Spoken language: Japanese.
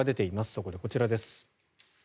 そこでこちらです。